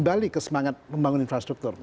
jadi kita harus membangun infrastruktur